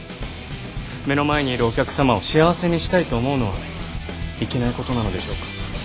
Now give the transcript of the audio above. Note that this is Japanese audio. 目の前にいるお客様を幸せにしたいと思うことはいけないことなのでしょうか？